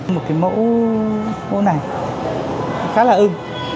một cái mẫu này khá là ưm